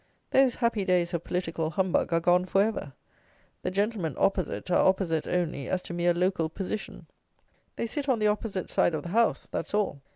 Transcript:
Those happy days of political humbug are gone for ever. The "gentlemen opposite" are opposite only as to mere local position. They sit on the opposite side of the House: that's all.